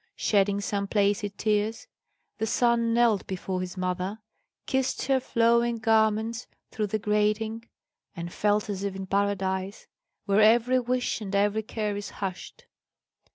Shedding some placid tears, the son knelt before his mother, kissed her flowing garments through the grating, and felt as if in paradise, where every wish and every care is hushed.